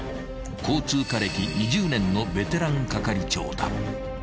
［交通課歴２０年のベテラン係長だ］